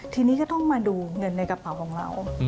ทีนี้ก็ต้องมาดูเงินในกระเป๋าของเรา